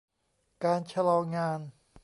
การชะลองาน